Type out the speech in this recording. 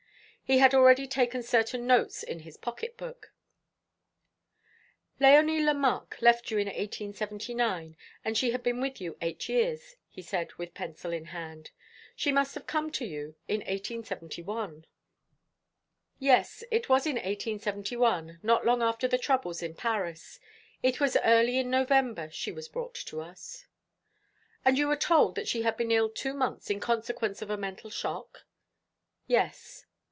He had already taken certain notes in his pocket book. "Léonie Lemarque left you in 1879, and she had been with you eight years," he said, with pencil in hand. "She must have come to you in 1871." "Yes, it was in 1871, not long after the troubles in Paris. It was early in November she was brought to us." "And you were told that she had been ill two months in consequence of a mental shock?" "Yes."